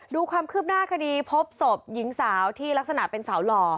ดูความคืบหน้าคดีพบศพหญิงสาวที่ลักษณะเป็นสาวหล่อ